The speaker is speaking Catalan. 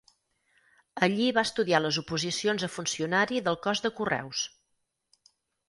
Allí va estudiar les oposicions a funcionari del cos de Correus.